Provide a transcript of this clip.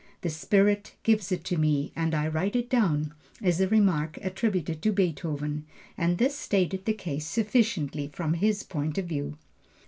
"The spirit gives it to me and I write it down" is a remark attributed to Beethoven, and this stated the case sufficiently from his point of view.